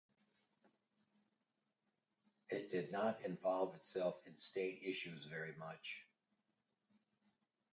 It did not involve itself in state issues very much.